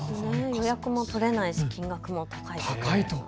予約も取れないし金額も高いし。